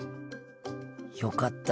よかった。